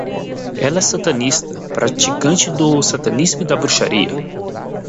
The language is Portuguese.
Ela é satanista, praticante do satanismo e da bruxaria